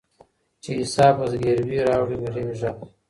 چي عیسی په زګیروي راوړي مریمي ږغ